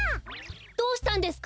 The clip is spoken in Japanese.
どうしたんですか？